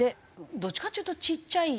どっちかっていうとちっちゃい。